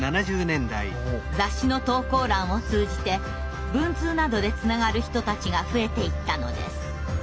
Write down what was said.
雑誌の投稿欄を通じて文通などでつながる人たちが増えていったのです。